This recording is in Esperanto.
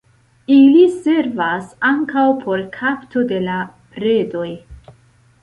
Ili servas ankaŭ por kapto de la predoj.